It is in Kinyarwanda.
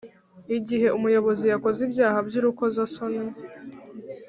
Igihe umuyobozi yakoze ibyaha by Urukozasoni